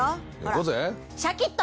シャキっと！